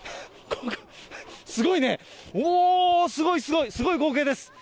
ここ、すごいね、おー、すごい、すごい、すごい光景です。